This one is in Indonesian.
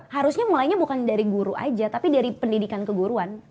harusnya mulainya bukan dari guru aja tapi dari pendidikan keguruan